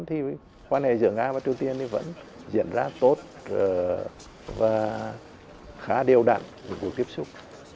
thì quan hệ giữa nga và triều tiên thì vẫn diễn ra tốt và khá đều đặn cuộc tiếp xúc